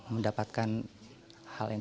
mendapatkan hal yang